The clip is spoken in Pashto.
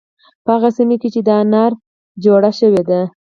په هغه سیمه کې چې دا ناره جوړه شوې ده.